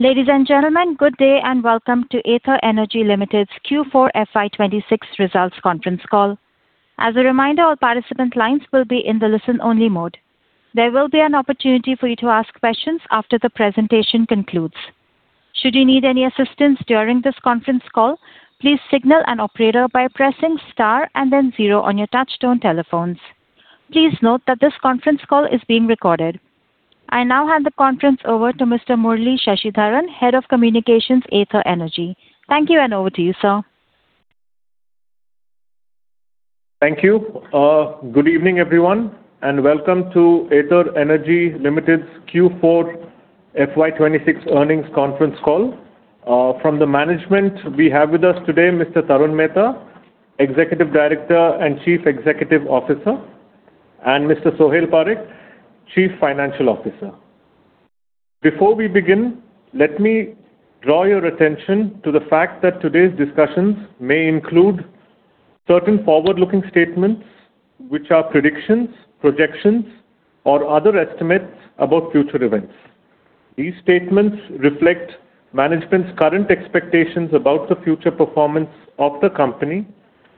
Ladies and gentlemen, good day and welcome to Ather Energy Limited's Q4 FY 2026 results conference call. As a reminder, all participant lines will be in the listen only mode. There will be an opportunity for you to ask questions after the presentation concludes. Should you need any assistance during this conference call, please signal an operator by pressing star and then zero on your touchtone telephones. Please note that this conference call is being recorded. I now hand the conference over to Mr. Murali Sashidharan, Head of Communications, Ather Energy. Thank you, and over to you, sir. Thank you. Good evening, everyone, and welcome to Ather Energy Limited's Q4 FY 2026 earnings conference call. From the management, we have with us today, Mr. Tarun Mehta, Executive Director and Chief Executive Officer, and Mr. Sohil Parekh, Chief Financial Officer. Before we begin, let me draw your attention to the fact that today's discussions may include certain forward-looking statements, which are predictions, projections, or other estimates about future events. These statements reflect management's current expectations about the future performance of the company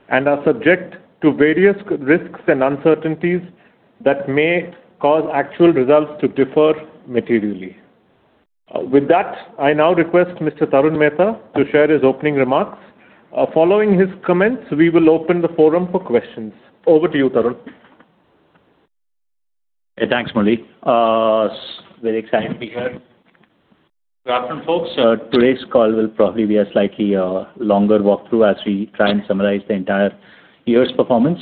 and are subject to various risks and uncertainties that may cause actual results to differ materially. With that, I now request Mr. Tarun Mehta to share his opening remarks. Following his comments, we will open the forum for questions. Over to you, Tarun. Yeah, thanks, Murali. Very excited to be here. Good afternoon, folks. Today's call will probably be a slightly longer walkthrough as we try and summarize the entire year's performance,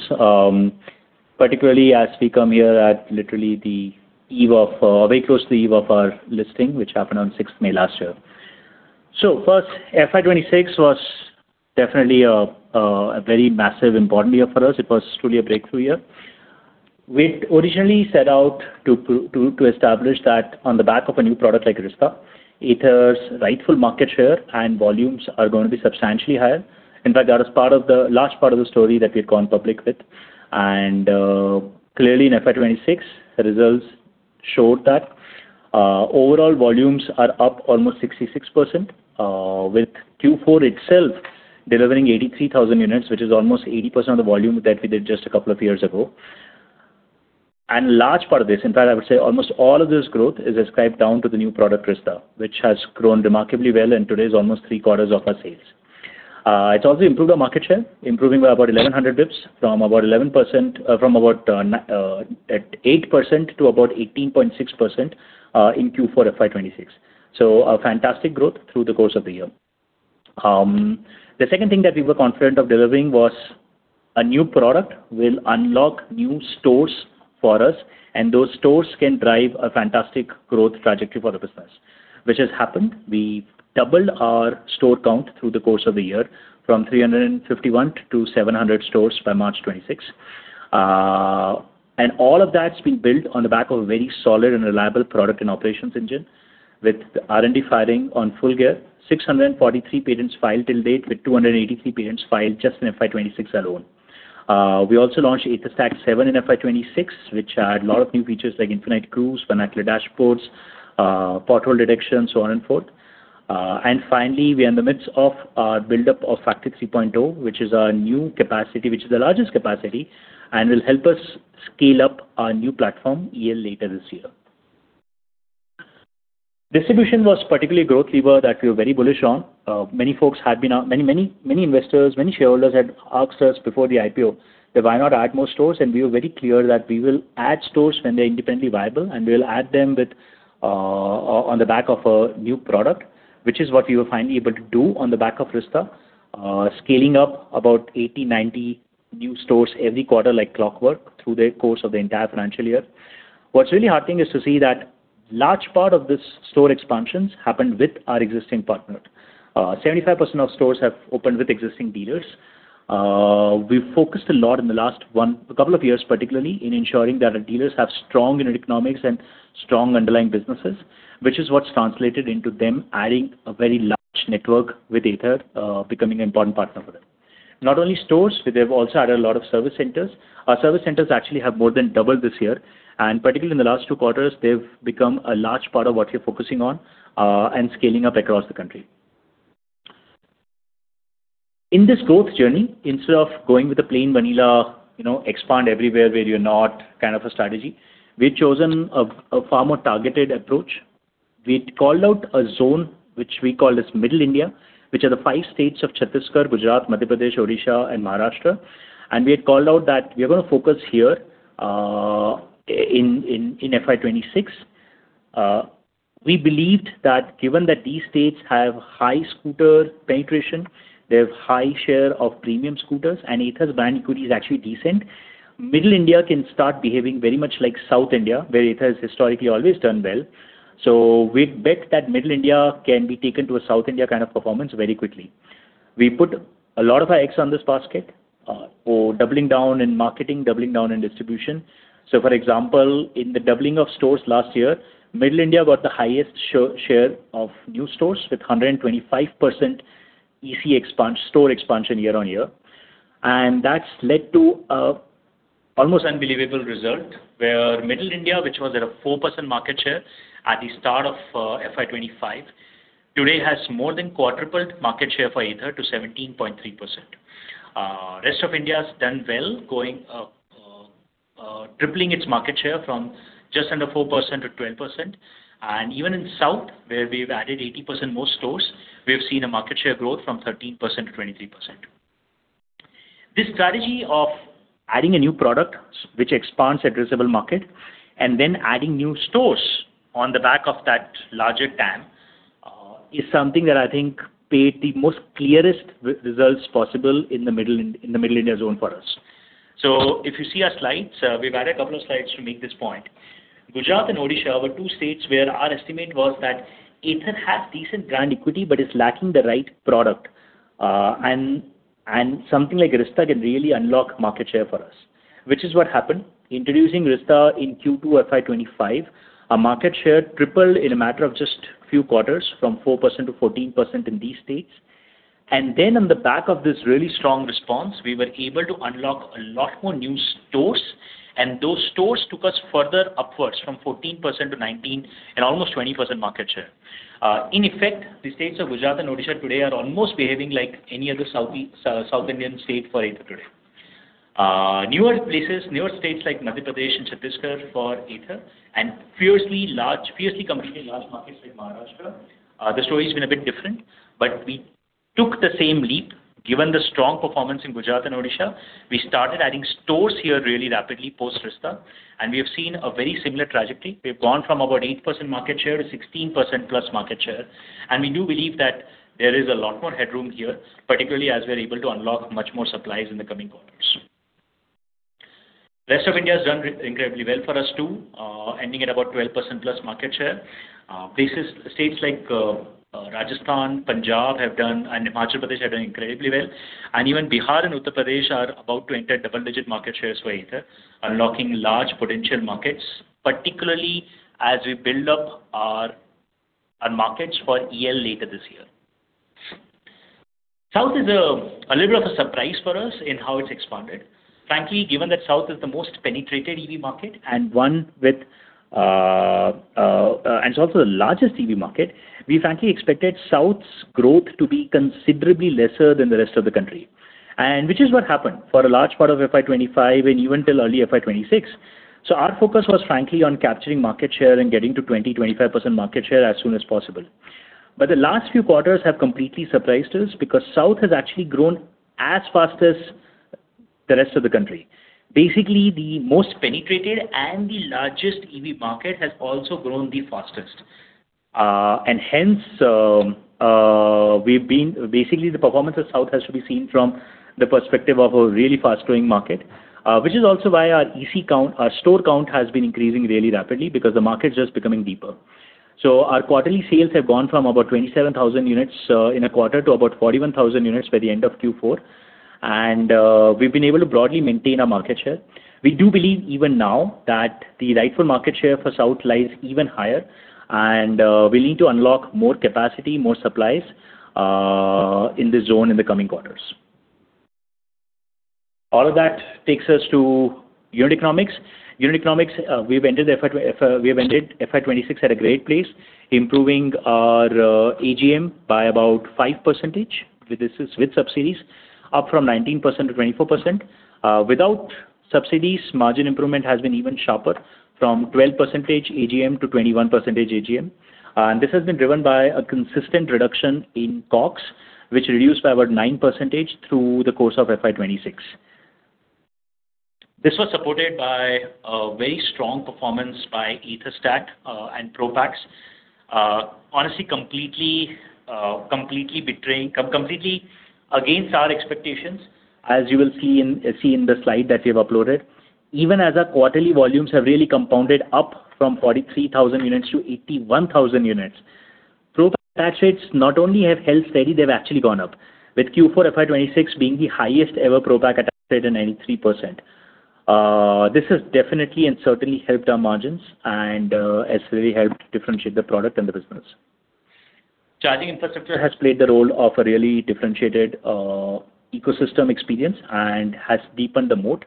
particularly as we come here at literally the eve of, very close to the eve of our listing, which happened on 6th May last year. First, fiscal year 2026 was definitely a very massive and important year for us. It was truly a breakthrough year. We'd originally set out to establish that on the back of a new product like Rizta, Ather's rightful market share and volumes are going to be substantially higher. In fact, that was large part of the story that we had gone public with. Clearly in FY 2026, the results showed that overall volumes are up almost 66%, with Q4 itself delivering 83,000 units, which is almost 80% of the volume that we did just a couple of years ago. Large part of this, in fact, I would say almost all of this growth is ascribed down to the new product, Rizta, which has grown remarkably well and today is almost three-quarters of our sales. It's also improved our market share, improving by about 1,100 BPS from about 11%, from about 8% to about 18.6%, in Q4 FY 2026. A fantastic growth through the course of the year. The second thing that we were confident of delivering was a new product will unlock new stores for us, and those stores can drive a fantastic growth trajectory for the business, which has happened. We doubled our store count through the course of the year from 351 to 700 stores by March 26th. All of that's been built on the back of a very solid and reliable product and operations engine with the R&D firing on full gear. 643 patents filed till date with 283 patents filed just in fiscal year 2026 alone. We also launched AtherStack 7 in fiscal year 2026, which had a lot of new features like Infinite Cruise, vernacular dashboards, pothole detection, so on and forth. Finally, we are in the midst of our buildup of Factory 3.0, which is our new capacity, which is the largest capacity and will help us scale up our new platform a year later this year. Distribution was particularly a growth lever that we were very bullish on. Many folks had been, many investors, many shareholders had asked us before the IPO that why not add more stores? We were very clear that we will add stores when they're independently viable, and we'll add them on the back of a new product, which is what we were finally able to do on the back of Rizta. Scaling up about 80, 90 new stores every quarter like clockwork through the course of the entire financial year. What's really heartening is to see that large part of this store expansions happened with our existing partner. 75% of stores have opened with existing dealers. We've focused a lot in the last couple of years, particularly, in ensuring that our dealers have strong unit economics and strong underlying businesses, which is what's translated into them adding a very large network with Ather, becoming an important partner for them. Not only stores, but they've also added a lot of service centers. Our service centers actually have more than doubled this year, and particularly in the last two quarters, they've become a large part of what we're focusing on and scaling up across the country. In this growth journey, instead of going with a plain vanilla, you know, expand everywhere where you're not kind of a strategy, we've chosen a far more targeted approach. We'd called out a zone which we call as Middle India, which are the five states of Chhattisgarh, Gujarat, Madhya Pradesh, Odisha, and Maharashtra, and we had called out that we are going to focus here in fiscal year 2026. We believed that given that these states have high scooter penetration, they have high share of premium scooters, and Ather's brand equity is actually decent. Middle India can start behaving very much like South India, where Ather has historically always done well. We'd bet that Middle India can be taken to a South India kind of performance very quickly. We put a lot of our eggs on this basket for doubling down in marketing, doubling down in distribution. For example, in the doubling of stores last year, Middle India got the highest share of new stores with 125% store expansion year-on-year. That's led to Almost unbelievable result where Middle India, which was at a 4% market share at the start of fiscal year 2025, today has more than quadrupled market share for Ather to 17.3%. Rest of India has done well going tripling its market share from just under 4%-12%. Even in South, where we've added 80% more stores, we have seen a market share growth from 13%-23%. This strategy of adding a new product which expands addressable market and then adding new stores on the back of that larger TAM is something that I think paid the clearest results possible in the Middle India zone for us. If you see our slides, we've added a couple of slides to make this point. Gujarat and Odisha were two states where our estimate was that Ather has decent brand equity but is lacking the right product. And something like Rizta can really unlock market share for us, which is what happened. Introducing Rizta in Q2 FY 2025, our market share tripled in a matter of just few quarters from 4%-14% in these states. On the back of this really strong response, we were able to unlock a lot more new stores, and those stores took us further upwards from 14%-19%, and almost 20% market share. In effect, the states of Gujarat and Odisha today are almost behaving like any other South Indian state for Ather today. Newer places, newer states like Madhya Pradesh and Chhattisgarh for Ather and fiercely competitively large markets like Maharashtra, the story's been a bit different, but we took the same leap. Given the strong performance in Gujarat and Odisha, we started adding stores here really rapidly post Rizta, and we have seen a very similar trajectory. We've gone from about 8% market share to 16%+ market share, and we do believe that there is a lot more headroom here, particularly as we're able to unlock much more supplies in the coming quarters. Rest of India has done incredibly well for us, too, ending at about 12%+ market share. States like Rajasthan, Punjab have done, and Himachal Pradesh have done incredibly well, and even Bihar and Uttar Pradesh are about to enter double-digit market shares for Ather, unlocking large potential markets, particularly as we build up our markets for EL later this year. South is a little bit of a surprise for us in how it's expanded. Frankly, given that South is the most penetrated EV market and one with, and it's also the largest EV market, we frankly expected South's growth to be considerably lesser than the rest of the country. Which is what happened for a large part of fiscal year 2025 and even till early fiscal year 2026. Our focus was frankly on capturing market share and getting to 20-25% market share as soon as possible. The last few quarters have completely surprised us because South has actually grown as fast as the rest of the country. Basically, the most penetrated and the largest EV market has also grown the fastest. Hence, basically, the performance of South has to be seen from the perspective of a really fast-growing market, which is also why our EC count, our store count has been increasing really rapidly because the market's just becoming deeper. Our quarterly sales have gone from about 27,000 units in a quarter to about 41,000 units by the end of Q4. We've been able to broadly maintain our market share. We do believe even now that the rightful market share for South lies even higher, and we need to unlock more capacity, more supplies in the zone in the coming quarters. All of that takes us to unit economics. Unit economics, we've entered FY 2026 at a great place, improving our AGM by about 5%. This is with subsidies, up from 19%-24%. Without subsidies, margin improvement has been even sharper from 12% AGM to 21% AGM. This has been driven by a consistent reduction in COGS, which reduced by about 9% through the course of fiscal year 2026. This was supported by a very strong performance by AtherStack, and Pro Pack. Honestly, completely against our expectations, as you will see in the slide that we have uploaded. Even as our quarterly volumes have really compounded up from 43,000 units to 81,000 units, Pro Pack rates not only have held steady, but they've also actually gone up, with Q4 FY 2026 being the highest ever Pro Pack attach rate at 93%. This has definitely and certainly helped our margins and has really helped differentiate the product and the business. Charging infrastructure has played the role of a really differentiated ecosystem experience and has deepened the moat.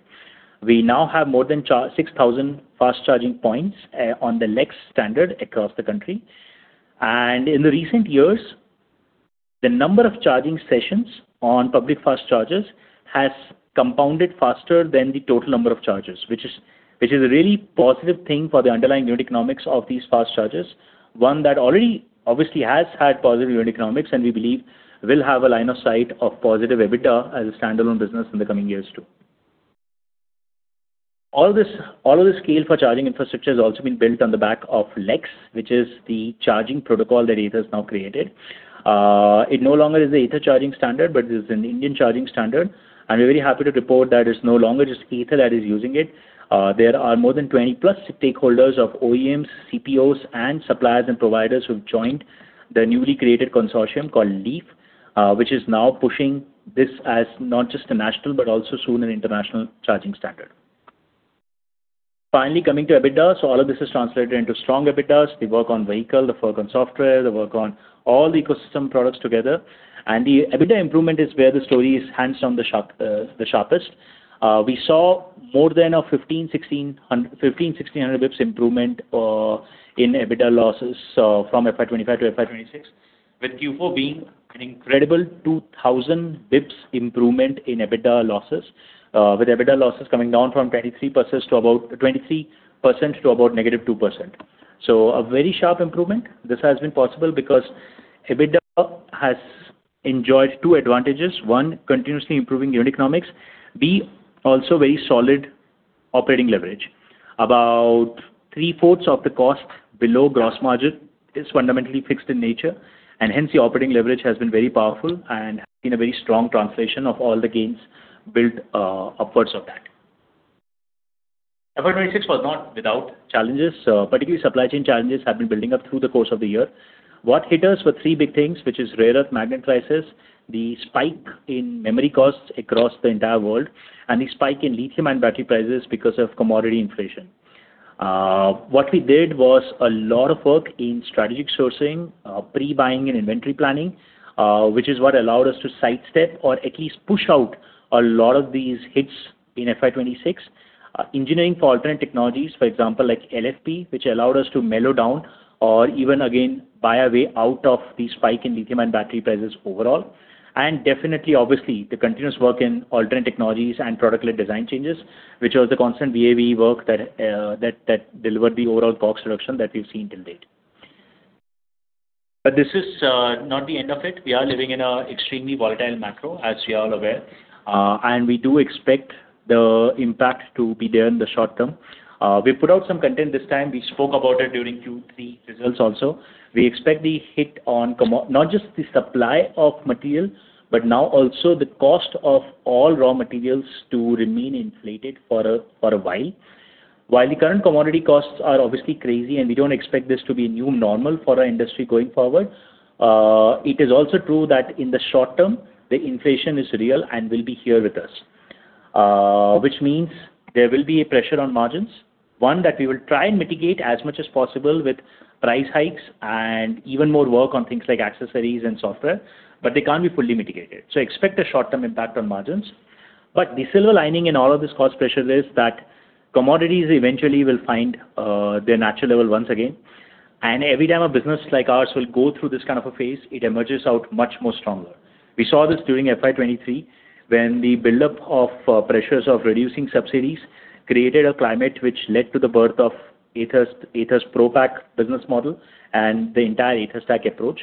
We now have more than 6,000 fast charging points on the LECCS standard across the country. In the recent years, the number of charging sessions on public fast chargers has compounded faster than the total number of chargers, which is a really positive thing for the underlying unit economics of these fast chargers. One that already obviously has had positive unit economics, and we believe will have a line of sight of positive EBITDA as a standalone business in the coming years too. All this, all of the scale for charging infrastructure has also been built on the back of LECCS, which is the charging protocol that Ather's now created. It no longer is the Ather charging standard, but it is an Indian charging standard. We're very happy to report that it's no longer just Ather that is using it. There are more than 20+ stakeholders of OEMs, CPOs, and suppliers and providers who've joined the newly created consortium called LEAF, which is now pushing this as not just a national, but also soon an international charging standard. Finally, coming to EBITDA. All of this is translated into strong EBITDAs. The work on vehicle, the work on software, the work on all the ecosystem products together. The EBITDA improvement is where the story is hands down the sharpest. We saw more than a 1,500-1,600-basis points improvement in EBITDA losses from fiscal year 2025 to FY 2026, with Q4 being an incredible 2,000 basis points improvement in EBITDA losses. With EBITDA losses coming down from 23% to about -2%. A very sharp improvement. This has been possible because EBITDA has enjoyed two advantages. One, continuously improving unit economics. B, also very solid operating leverage. About 3/4 of the cost below gross margin is fundamentally fixed in nature, and hence the operating leverage has been very powerful and has been a very strong translation of all the gains built upwards of that. Fiscal Year 2026 was not without challenges. Particularly supply chain challenges have been building up through the course of the year. What hit us were three big things, which is rare earth magnet prices, the spike in memory costs across the entire world, and the spike in lithium-ion battery prices because of commodity inflation. What we did was a lot of work in strategic sourcing, pre-buying and inventory planning, which is what allowed us to sidestep or at least push out a lot of these hits in fiscal year 2026. Engineering for alternate technologies, for example, like LFP, which allowed us to mellow down or even again buy our way out of the spike in lithium-ion battery prices overall. Definitely, obviously, the continuous work in alternate technologies and product lead design changes, which was the constant VAVE work that delivered the overall COGS reduction that we've seen till date. This is not the end of it. We are living in an extremely volatile macro, as you are all aware. We do expect the impact to be there in the short term. We put out some content this time. We spoke about it during Q3 results also. We expect the hit on commodity not just the supply of materials, but now also the cost of all raw materials to remain inflated for a while. While the current commodity costs are obviously crazy, and we don't expect this to be a new normal for our industry going forward, it is also true that in the short term, the inflation is real and will be here with us. Which means there will be a pressure on margins, one that we will try and mitigate as much as possible with price hikes and even more work on things like accessories and software, but they can't be fully mitigated. Expect a short-term impact on margins. The silver lining in all of this cost pressure is that commodities eventually will find their natural level once again. Every time a business like ours will go through this kind of a phase, it emerges out much more stronger. We saw this during fiscal year 2023 when the buildup of pressures of reducing subsidies created a climate which led to the birth of Ather's ProPack business model and the entire AtherStack approach.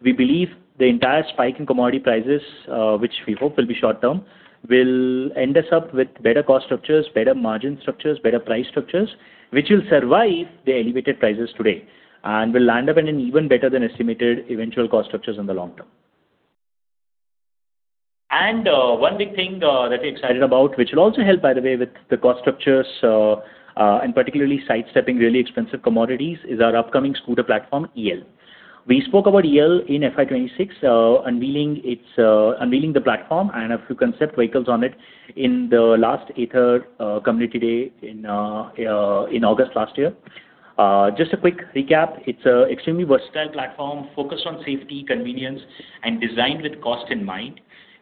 We believe the entire spike in commodity prices, which we hope will be short-term, will end us up with better cost structures, better margin structures, better price structures, which will survive the elevated prices today and will land up in an even better than estimated eventual cost structures in the long term. One big thing that we're excited about, which will also help, by the way, with the cost structures, and particularly sidestepping really expensive commodities, is our upcoming scooter platform, EL. We spoke about EL in fiscal year 2026, unveiling its unveiling the platform and a few concept vehicles on it in the last Ather Community Day in August last year. Just a quick recap. It's a extremely versatile platform focused on safety, convenience, and designed with cost in mind.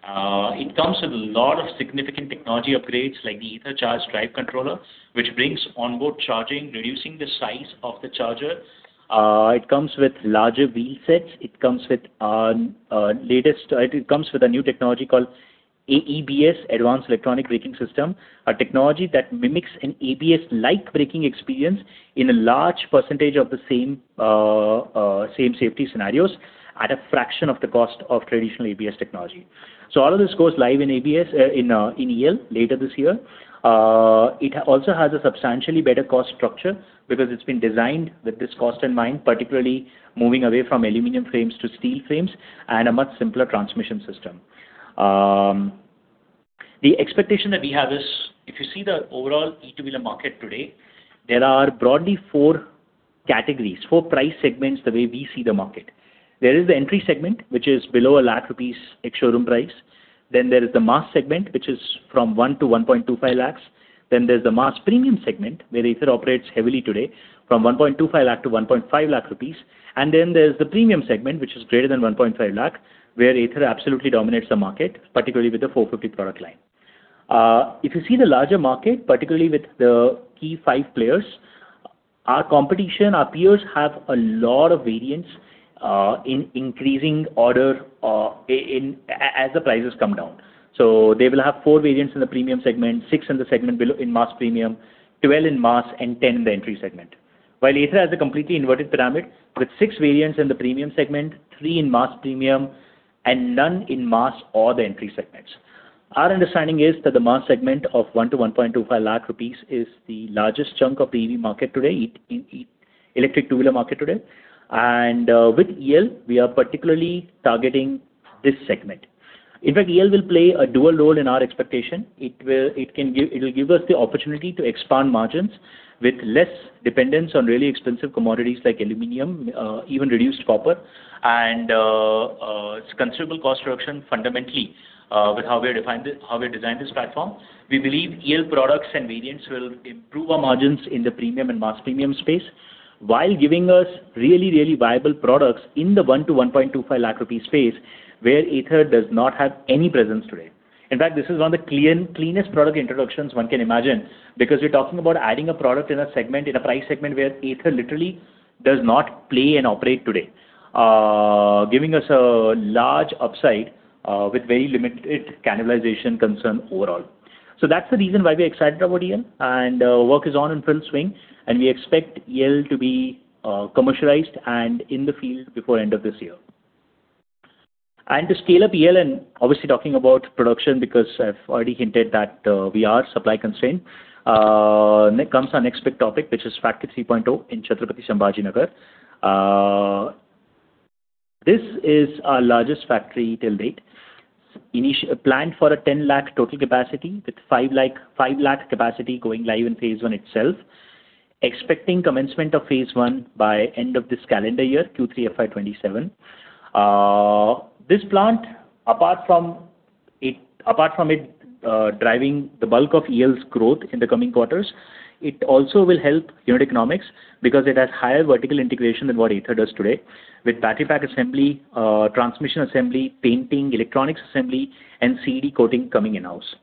It comes with a lot of significant technology upgrades like the Ather Charge Drive Controller, which brings onboard charging, reducing the size of the charger. It comes with larger wheel sets. It comes with a new technology called AEBS, Advanced Electronic Braking System, a technology that mimics an ABS-like braking experience in a large percentage of the same safety scenarios at a fraction of the cost of traditional ABS technology. All of this goes live in ABS, in EL later this year. It also has a substantially better cost structure because it's been designed with this cost in mind, particularly moving away from aluminum frames to steel frames and a much simpler transmission system. The expectation that we have is if you see the overall e-2-wheeler market today, there are broadly four categories, four price segments, the way we see the market. There is the entry segment, which is below 1 lakh rupees ex-showroom price. There is the mass segment, which is from 1-1.25 lakh INR. There's the mass premium segment, where Ather operates heavily today, from 1.25-1.5 lakh rupees. There's the premium segment, which is greater than 1.5 lakh INR, where Ather absolutely dominates the market, particularly with the 450 product line. If you see the larger market, particularly with the key five players, our competition, our peers have a lot of variants, in increasing order, as the prices come down. They will have four variants in the premium segment, six in the segment below in mass premium, 12 in mass, and 10 in the entry segment. While Ather has a completely inverted pyramid with six variants in the premium segment, three in mass premium, and none in mass or the entry segments. Our understanding is that the mass segment of 1-1.25 lakh rupees is the largest chunk of the EV market today, electric two-wheeler market today. With EL, we are particularly targeting this segment. EL will play a dual role in our expectation. It will give us the opportunity to expand margins with less dependence on really expensive commodities like aluminum, even reduced copper. It's considerable cost reduction fundamentally with how we designed this platform. We believe EL products and variants will improve our margins in the premium and mass premium space while giving us really, really viable products in the 1-1.25 lakh rupee space, where Ather does not have any presence today. In fact, this is one of the cleanest product introductions one can imagine because we're talking about adding a product in a segment, in a price segment where Ather literally does not play and operate today. Giving us a large upside with very limited cannibalization concern overall. That's the reason why we're excited about EL, and work is on in full swing, and we expect EL to be commercialized and in the field before end of this year. To scale up EL and obviously talking about production because I've already hinted that we are supply constrained. Comes our next big topic, which is Factory 3.0 in Chhatrapati Sambhaji Nagar. This is our largest factory till date. Planned for a 10 lakh total capacity with 5 lakh capacity going live in phase I itself. Expecting commencement of phase I by end of this calendar year, Q3 fiscal year 2027. This plant, apart from it, driving the bulk of EL's growth in the coming quarters, it also will help unit economics because it has higher vertical integration than what Ather does today, with battery pack assembly, transmission assembly, painting, electronics assembly, and ED coating coming in-house. It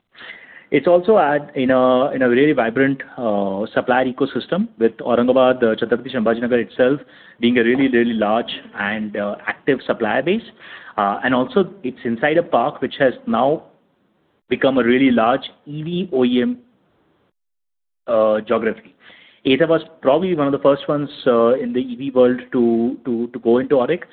is also in a really vibrant supplier ecosystem with Aurangabad, Chhatrapati Sambhaji Nagar itself being a really large and active supplier base. It's inside a park which has now become a really large EV OEM geography. Ather was probably one of the first ones in the EV world to go into Auric.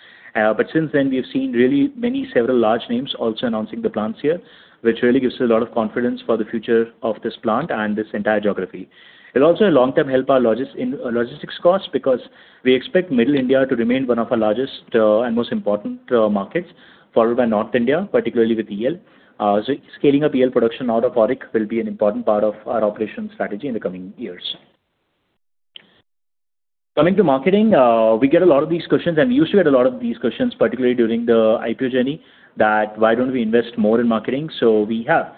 Since then, we have seen really many several large names also announcing the plants here, which really gives us a lot of confidence for the future of this plant and this entire geography. It'll also long-term help our logistics costs because we expect middle India to remain one of our largest and most important markets, followed by North India, particularly with EL. Scaling up EL production out of Auric will be an important part of our operations strategy in the coming years. Coming to marketing, we get a lot of these questions, and we used to get a lot of these questions, particularly during the IPO journey, that why don't we invest more in marketing? We have.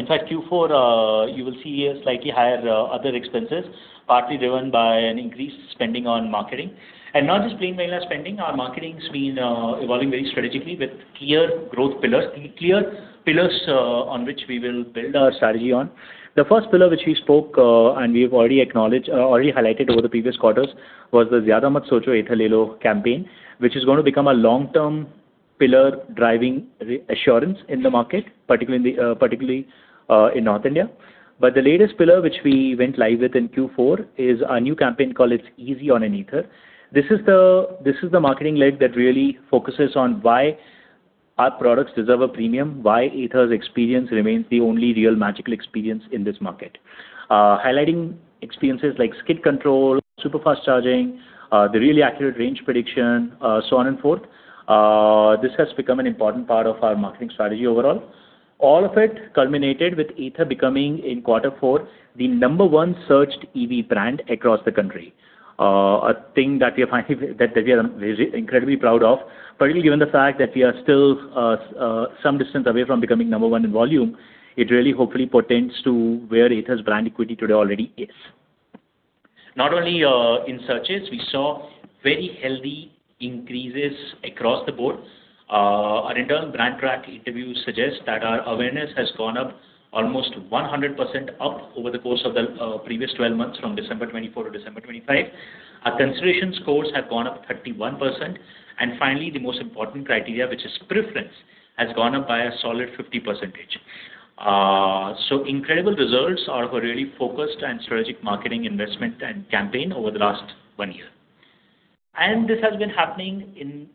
In fact, Q4, you will see a slightly higher, other expenses, partly driven by an increased spending on marketing. Not just plain vanilla spending. Our marketing's been evolving very strategically with clear growth pillars, clear pillars on which we will build our strategy on. The first pillar, which we spoke, and we've already acknowledged, already highlighted over the previous quarters, was the Zyada Mat Socho, Ather Le Lo campaign, which is gonna become a long-term pillar driving assurance in the market, particularly in North India. The latest pillar, which we went live with in Q4, is our new campaign called It's Easy on an Ather. This is the marketing leg that really focuses on why our products deserve a premium, why Ather's experience remains the only real magical experience in this market. Highlighting experiences like skid control, super-fast charging, the really accurate range prediction, so on and forth. This has become an important part of our marketing strategy overall. All of it culminated with Ather becoming, in quarter four, the number one searched EV brand across the country. A thing that we are incredibly proud of. Particularly given the fact that we are still some distance away from becoming number one in volume, it really hopefully portends to where Ather's brand equity today already is. Not only in searches, we saw very healthy increases across the board. Our internal brand track interview suggests that our awareness has gone up almost 100% over the course of the previous 12 months from December 24th to December 25th. Our consideration scores have gone up 31%. Finally, the most important criteria, which is preference, has gone up by a solid 50%. Incredible results of a really focused and strategic marketing investment and campaign over the last one year. This has been happening in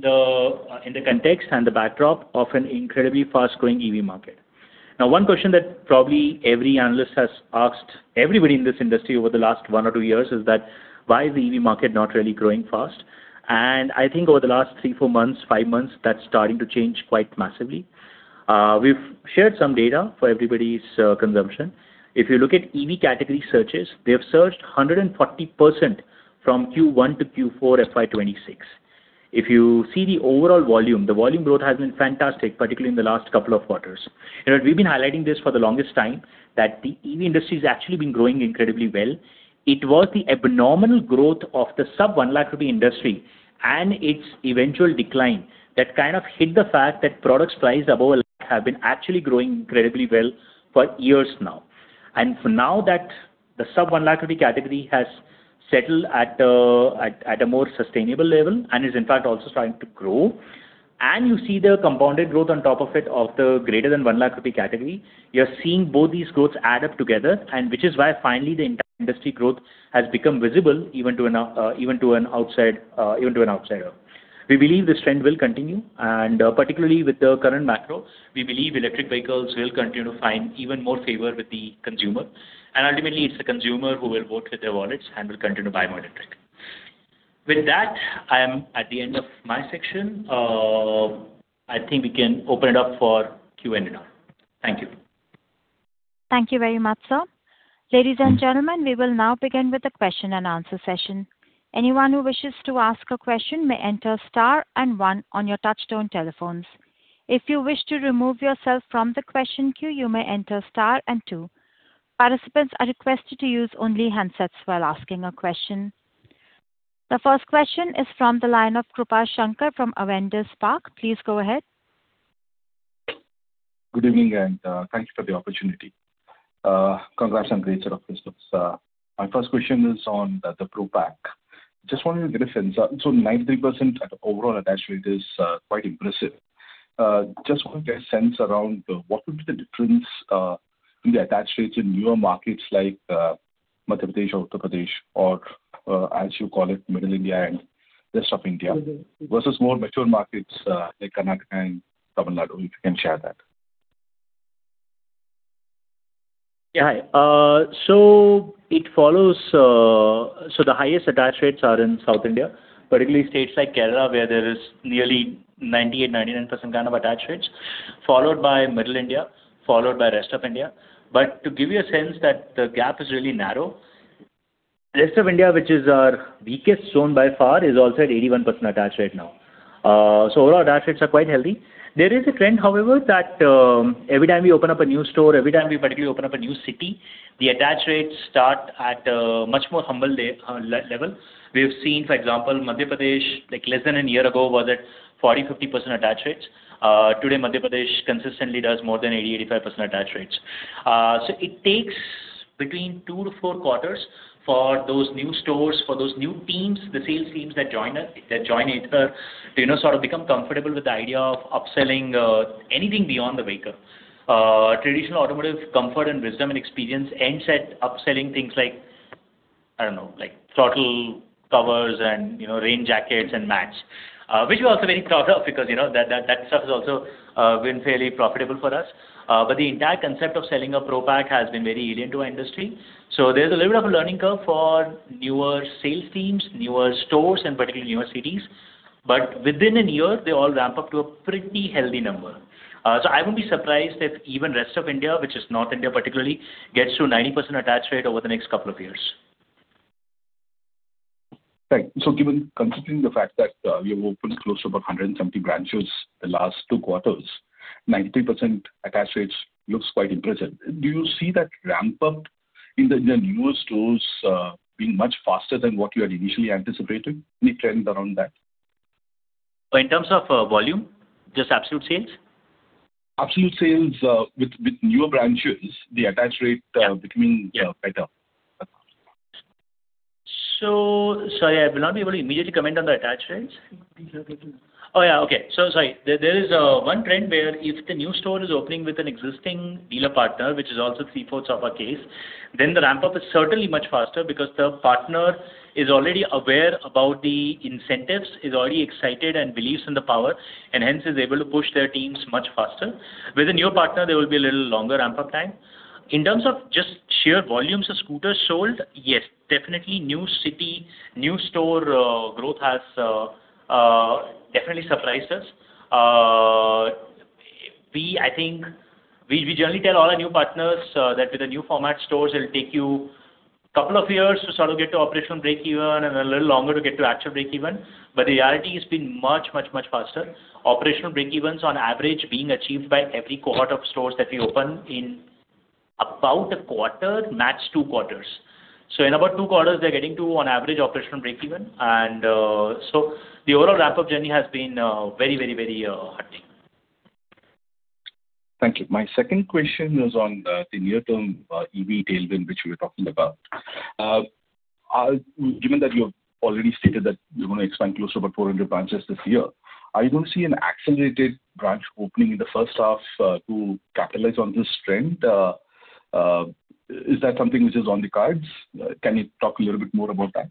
the context and the backdrop of an incredibly fast-growing EV market. One question that probably every analyst has asked everybody in this industry over the last one or two years is that, why is the EV market not really growing fast? I think over the last three, four months, five months, that's starting to change quite massively. We've shared some data for everybody's consumption. If you look at EV category searches, they have surged 140% from Q1 to Q4 fiscal year 2026. If you see the overall volume, the volume growth has been fantastic, particularly in the last couple of quarters. You know, we've been highlighting this for the longest time that the EV industry has actually been growing incredibly well. It was the abnormal growth of the sub 1 lakh rupee industry and its eventual decline that kind of hid the fact that products priced above 1 lakh have been actually growing incredibly well for years now. Now that the sub 1 lakh rupee category has settled at a more sustainable level and is in fact also starting to grow, you see the compounded growth on top of it of the greater than 1 lakh rupee category, you're seeing both these growths add up together, which is why finally the entire industry growth has become visible even to an outsider. We believe this trend will continue, particularly with the current macros, we believe electric vehicles will continue to find even more favor with the consumer. Ultimately, it's the consumer who will vote with their wallets and will continue to buy more electric vehicles. With that, I am at the end of my section. I think we can open it up for Q&A now. Thank you. Thank you very much, sir. Ladies and gentlemen, we will now begin with the question-and-answer session. Anyone who wishes to ask a question may enter star and one on your touchtone telephones. If you wish to remove yourself from the question queue, you may enter star and two. Participants are requested to use only handsets while asking a question. The first question is from the line of Krupa Shankar from Avendus Spark. Please go ahead. Good evening, and thank you for the opportunity. Congrats and great set of results, sir. My first question is on the Pro Pack. Just wanted to get a sense. 93% overall attach rate is quite impressive. Just want to get a sense around what would be the difference in the attach rates in newer markets like Madhya Pradesh or Uttar Pradesh or, as you call it, middle India and rest of India versus more mature markets, like Karnataka and Tamil Nadu, if you can share that. Hi. It follows, the highest attach rates are in South India, particularly states like Kerala, where there is nearly 98%, 99% kind of attach rates, followed by middle India, followed by rest of India. To give you a sense that the gap is really narrow, rest of India, which is our weakest zone by far, is also at 81% attach rate now. Overall attach rates are quite healthy. There is a trend, however, that every time we open up a new store, every time we particularly open up a new city, the attach rates start at a much more humble level. We have seen, for example, Madhya Pradesh, like less than a year ago, was at 40%, 50% attach rates. Today, Madhya Pradesh consistently does more than 80%, 85% attach rates. It takes between two to four quarters for those new stores, for those new teams, the sales teams that join us, that join Ather to, you know, sort of become comfortable with the idea of upselling anything beyond the vehicle. Traditional automotive comfort and wisdom and experience ends at upselling things like, I don't know, like throttle covers and, you know, rain jackets and mats, which we're also very proud of because, you know, that stuff has also been fairly profitable for us. The entire concept of selling a Pro Pack has been very alien to our industry. There's a little bit of a learning curve for newer sales teams, newer stores and particularly newer cities. Within one year, they all ramp up to a pretty healthy number. I wouldn't be surprised if even rest of India, which is North India particularly, gets to 90% attach rate over the next couple of years. Right. Given, considering the fact that you've opened close to about 170 branches the last two quarters, 90% attach rates looks quite impressive. Do you see that ramp up in newer stores being much faster than what you had initially anticipated? Any trend around that? In terms of volume, just absolute sales? Absolute sales, with newer branches, the attach rate, becoming better. Sorry, I will not be able to immediately comment on the attach rates. These are getting- Oh, yeah. Okay. Sorry. There is one trend where if the new store is opening with an existing dealer partner, which is also 3/4 of our case, then the ramp-up is certainly much faster because the partner is already aware about the incentives, is already excited and believes in the power and hence is able to push their teams much faster. With a new partner, there will be a little longer ramp-up time. In terms of just sheer volumes of scooters sold, yes, definitely new city, new store growth has definitely surprised us. We generally tell all our new partners that with the new format stores, it'll take you two years to sort of get to operational break-even and a little longer to get to actual break-even. The reality has been much faster. Operational break-evens on average being achieved by every cohort of stores that we open in about one quarter, max two quarters. In about two quarters, they're getting to on average operational break-even. The overall ramp-up journey has been very heartening. Thank you. My second question is on the near-term EV tailwind which we were talking about. Given that you have already stated that you wanna expand close to about 400 branches this year, are you going to see an accelerated branch opening in the H1 to capitalize on this trend? Is that something which is on the cards? Can you talk a little bit more about that?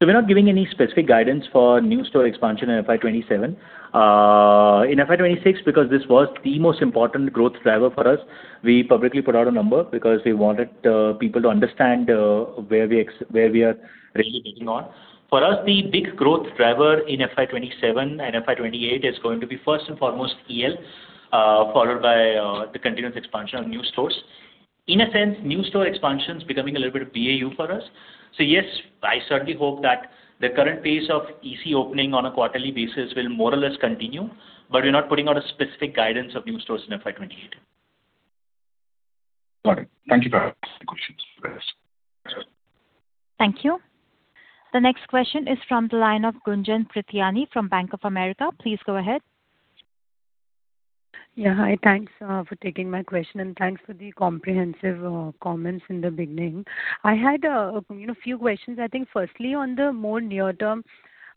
We're not giving any specific guidance for new store expansion in fiscal year 2027. In fiscal year 2026, because this was the most important growth driver for us, we publicly put out a number because we wanted people to understand where we are really taking on. For us, the big growth driver in fiscal year 2027 and fiscal year 2028 is going to be first and foremost EL, followed by the continuous expansion of new stores. In a sense, new store expansion is becoming a little bit of BAU for us. Yes, I certainly hope that the current pace of EC opening on a quarterly basis will more or less continue, but we're not putting out a specific guidance of new stores in fiscal year 2028. Got it. Thank you for answering the questions. Thank you. The next question is from the line of Gunjan Prithyani from Bank of America. Please go ahead. Yeah. Hi. Thanks for taking my question, and thanks for the comprehensive comments in the beginning. I had, you know, few questions. I think firstly, on the more near-term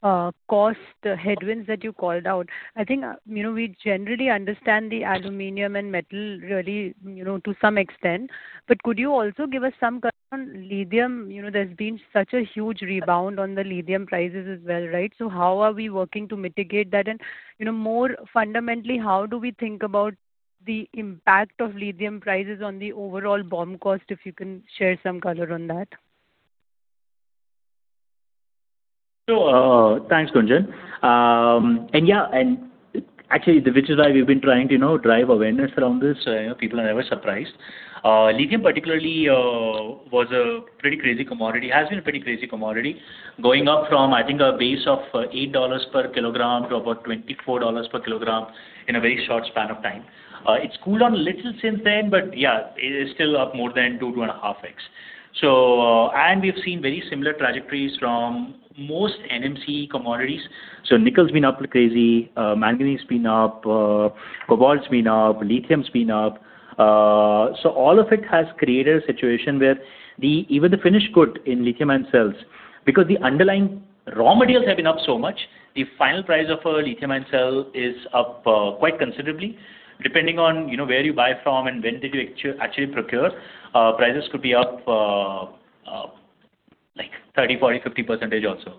cost headwinds that you called out. I think, you know, we generally understand the aluminum and metal really, you know, to some extent. Could you also give us some color on lithium? You know, there's been such a huge rebound on the lithium prices as well, right? How are we working to mitigate that? You know, more fundamentally, how do we think about the impact of lithium prices on the overall BOM cost, if you can share some color on that. Thanks, Gunjan. Yeah, and actually, which is why we've been trying to, you know, drive awareness around this, you know, people are never surprised. Lithium particularly was a pretty crazy commodity, has been a pretty crazy commodity, going up from, I think, a base of $8 per kilogram to about $24 per kilogram in a very short span of time. It's cooled down a little since then, but yeah, it is still up more than 2-2.5x. We've seen very similar trajectories from most NMC commodities. Nickel's been up like crazy, manganese's been up, cobalt's been up, lithium's been up. All of it has created a situation where the, even the finished good in lithium-ion cells, because the underlying raw materials have been up so much, the final price of a lithium-ion cell is up quite considerably. Depending on, you know, where you buy from and when did you actually procure, prices could be up like 30%, 40%, 50% also.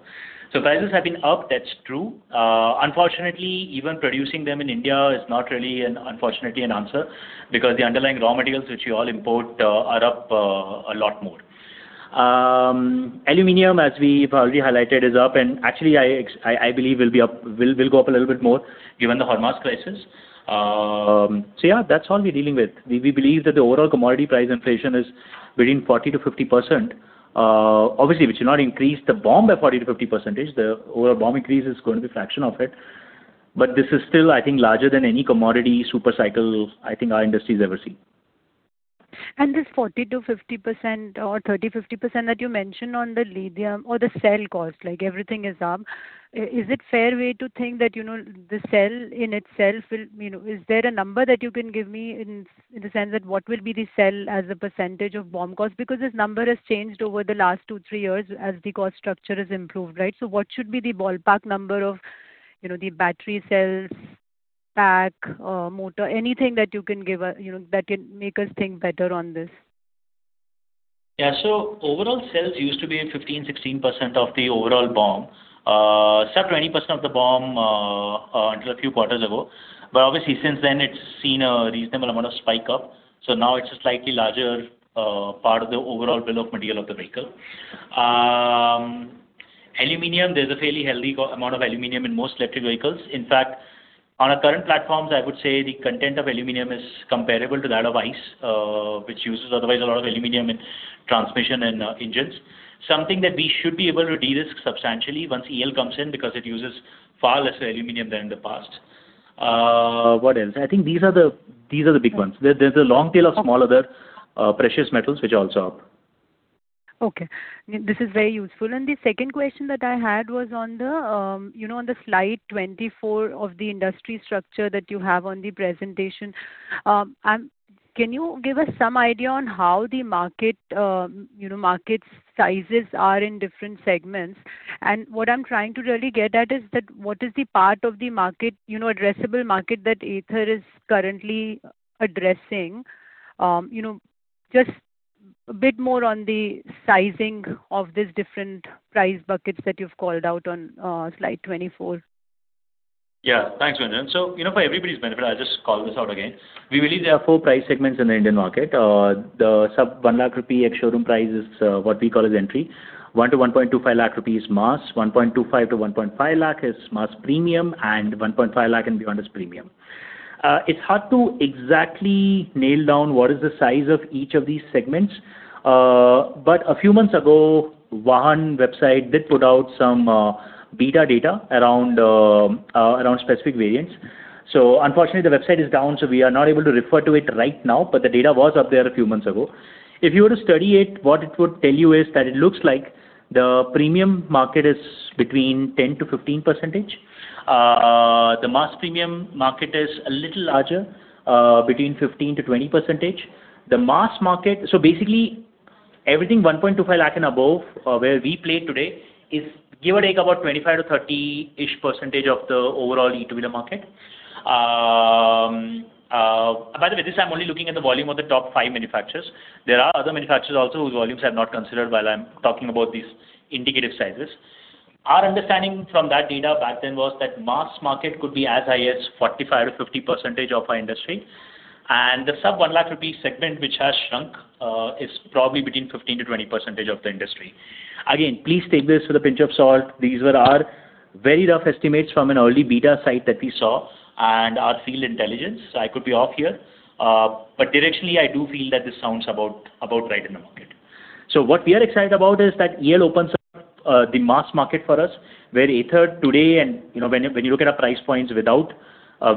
Prices have been up, that's true. Unfortunately, even producing them in India is not really an, unfortunately, an answer because the underlying raw materials, which we all import, are up a lot more. Aluminum, as we've already highlighted, is up, and actually I believe will go up a little bit more given the Hormuz crisis. Yeah, that's all we're dealing with. We believe that the overall commodity price inflation is between 40%-50%. Obviously, which will not increase the BOM by 40%-50%. The overall BOM increase is going to be a fraction of it. This is still, I think, larger than any commodity super cycle I think our industry's ever seen. This 40%-50% or 30%-50% that you mentioned on the lithium or the cell cost, like everything is up. Is it fair way to think that, you know, the cell in itself will, you know. Is there a number that you can give me in the sense that what will be the cell as a percentage of BOM cost? Because this number has changed over the last two, three years as the cost structure has improved, right? What should be the ballpark number of, you know, the battery cells, pack, motor, anything that you can give us, you know, that can make us think better on this? Yeah. Overall cells used to be at 15%, 16% of the overall BOM, sub 20% of the BOM until a few quarters ago. Obviously, since then it's seen a reasonable amount of spike up, so now it's a slightly larger part of the overall bill of material of the vehicle. Aluminum, there's a fairly healthy amount of aluminum in most electric vehicles. In fact, on our current platforms, I would say the content of aluminum is comparable to that of ICE, which uses otherwise a lot of aluminum in transmission and engines. Something that we should be able to de-risk substantially once EL comes in because it uses far less aluminum than in the past. What else? I think these are the big ones. There, there's a long tail of small other, precious metals which are also up. Okay. This is very useful. The second question that I had was on the, you know, on the slide 24 of the industry structure that you have on the presentation. Can you give us some idea on how the market, you know, market sizes are in different segments? What I'm trying to really get at is that what is the part of the market, you know, addressable market that Ather is currently addressing? You know, just a bit more on the sizing of these different price buckets that you've called out on slide 24. Yeah. Thanks, Gunjan. You know, for everybody's benefit, I'll just call this out again. We believe there are four price segments in the Indian market. The sub 1 lakh rupee ex-showroom price is what we call as entry. 1 lakh-1.25 lakh rupees is mass. 1.25 lakh-1.5 lakh is mass premium, and 1.5 lakh and beyond is premium. It's hard to exactly nail down what is the size of each of these segments. But a few months ago, one website did put out some beta data around specific variants. Unfortunately, the website is down, so we are not able to refer to it right now, but the data was up there a few months ago. If you were to study it, what it would tell you is that it looks like the premium market is between 10%-15%. The mass premium market is a little larger, between 15%-20%. The mass market basically everything 1.25 lakh and above, where we play today, is give or take about 25%-30% of the overall e-two-wheeler market. By the way, this I'm only looking at the volume of the top 5 manufacturers. There are other manufacturers also whose volumes I have not considered while I'm talking about these indicative sizes. Our understanding from that data back then was that mass market could be as high as 45%-50% of our industry. The sub 1 lakh rupee segment, which has shrunk, is probably between 15%-20% of the industry. Again, please take this with a pinch of salt. These were our very rough estimates from an early beta site that we saw and our field intelligence. I could be off here. But directionally, I do feel that this sounds about right in the market. What we are excited about is that EL opens up the mass market for us, where Ather today and, you know, when you look at our price points without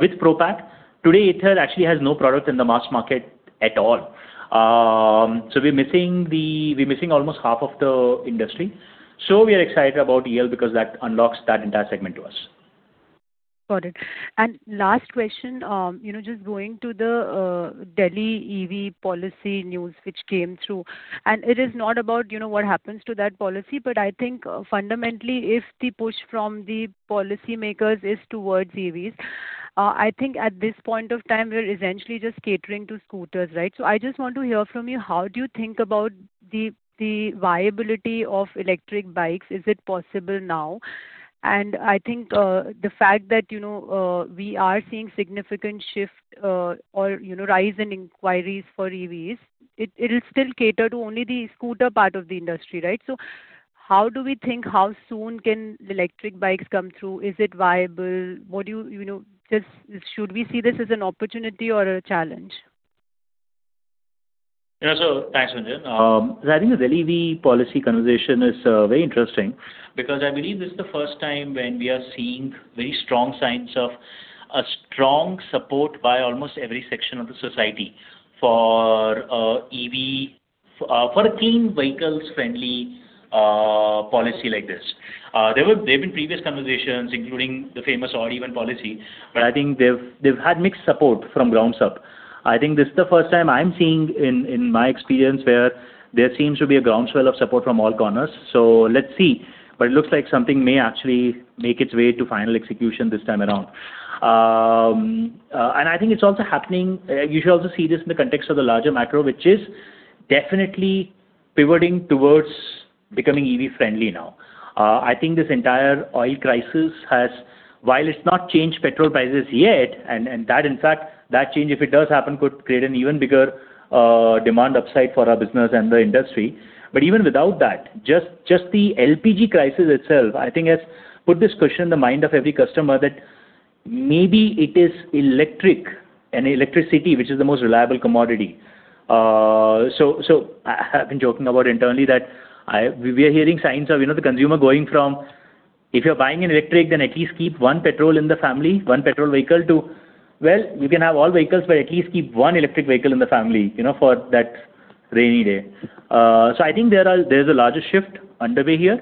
with ProPack, today Ather actually has no product in the mass market at all. We're missing almost half of the industry. We are excited about EL because that unlocks that entire segment to us. Got it. Last question, you know, just going to the Delhi EV Policy news which came through, it is not about, you know, what happens to that policy, but I think fundamentally if the push from the policymakers is towards EVs, I think at this point of time, we're essentially just catering to scooters, right? I just want to hear from you, how do you think about the viability of electric bikes? Is it possible now? I think the fact that, you know, we are seeing significant shift, or, you know, rise in inquiries for EVs, it'll still cater to only the scooter part of the industry, right? How do we think how soon can the electric bikes come through? Is it viable? What do you know Should we see this as an opportunity or a challenge? Yeah. Thanks, Manjot. I think this EV policy conversation is very interesting because I believe this is the first time when we are seeing very strong signs of a strong support by almost every section of the society for EV, for a clean vehicles friendly policy like this. There have been previous conversations, including the famous odd-even policy, I think they've had mixed support from grounds up. I think this is the first time I'm seeing in my experience, where there seems to be a groundswell of support from all corners. Let's see. It looks like something may actually make its way to final execution this time around. I think it's also happening, you should also see this in the context of the larger macro, which is definitely pivoting towards becoming EV friendly now. I think this entire oil crisis has, while it's not changed petrol prices yet, and that in fact, that change, if it does happen, could create an even bigger demand upside for our business and the industry. Even without that, just the LPG crisis itself, I think has put this question in the mind of every customer that maybe it is electric and electricity, which is the most reliable commodity. I've been joking about internally that we are hearing signs of, you know, the consumer going from, "If you're buying an electric, then at least keep one petrol in the family, one petrol vehicle," to, "Well, you can have all vehicles, but at least keep one electric vehicle in the family, you know, for that rainy day." I think there's a larger shift underway here.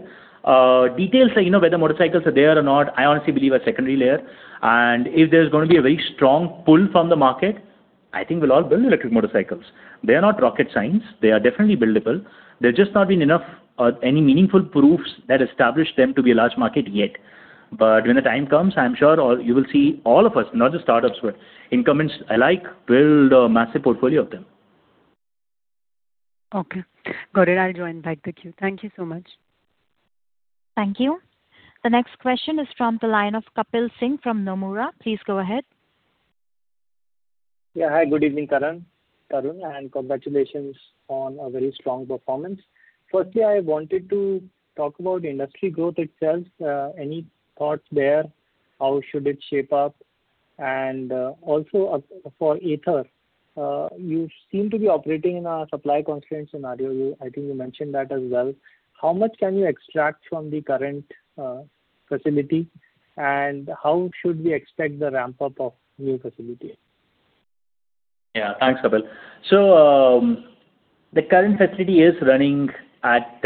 Details like, you know, whether motorcycles are there or not, I honestly believe are secondary layer. If there's going to be a very strong pull from the market, I think we'll all build electric motorcycles. They are not rocket science. They are definitely buildable. There's just not been enough any meaningful proofs that establish them to be a large market yet. When the time comes, I'm sure you will see all of us, not just startups, but incumbents alike build a massive portfolio of them. Okay. Got it. I'll join back with you. Thank you so much. Thank you. The next question is from the line of Kapil Singh from Nomura. Please go ahead. Yeah. Hi. Good evening, Karan, Tarun. Congratulations on a very strong performance. Firstly, I wanted to talk about industry growth itself. Any thoughts there? How should it shape up? Also for Ather, you seem to be operating in a supply constrained scenario. You, I think you mentioned that as well. How much can you extract from the current facility, and how should we expect the ramp-up of new facility? Yeah. Thanks, Kapil. The current facility is running at.